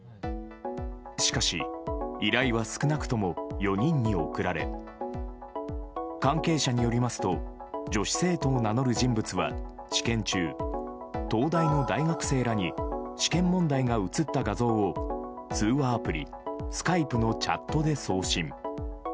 しかし、依頼は少なくとも４人に送られ関係者によりますと女子生徒を名乗る人物は、試験中東大の大学生らに試験問題が写った画像を通話アプリ、スカイプのチャットで送信。